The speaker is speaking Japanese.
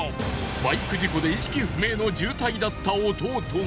バイク事故で意識不明の重体だった弟が。